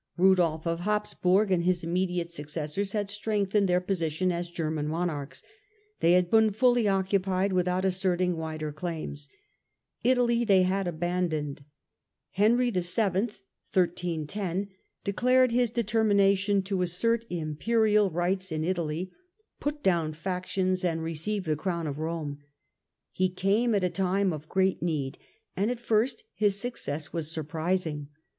Kudolf of Habsburg and his immediate successors had strengthened their posi tion as German Monarchs, they had been fully occupied without asserting wider claims ; Italy they had abandoned. Italy, 1310 Henry VII. declared his determination to assert Imperial ITALY, 1273 1313 47 rights in Italy, put down factions and receive the Crown of Rome. He came at a time of great need, and at first his success was surprising.